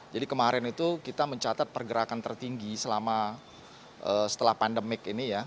jadi kemarin itu kita mencatat pergerakan tertinggi setelah pandemik ini ya